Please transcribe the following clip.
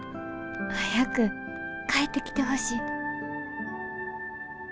早く帰ってきてほしい」。